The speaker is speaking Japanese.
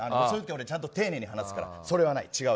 そういうとき、俺ちゃんと丁寧に話すからそれはない。